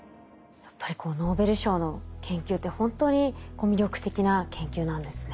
やっぱりこうノーベル賞の研究って本当に魅力的な研究なんですね。